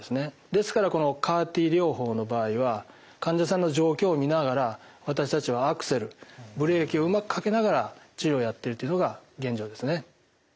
ですからこのＣＡＲ−Ｔ療法の場合は患者さんの状況を見ながら私たちはアクセルブレーキをうまくかけながら治療をやっているっていうのが現状ですね。